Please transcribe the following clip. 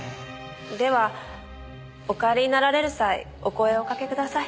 ではお帰りになられる際お声をおかけください。